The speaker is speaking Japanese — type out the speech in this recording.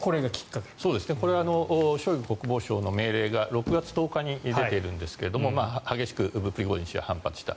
これショイグ国防相の命令が６月１０日に出ているんですが激しくプリゴジン氏は反発した。